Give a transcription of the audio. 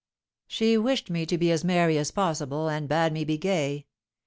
"She wished me to be as merry as possible, and bade me be gay!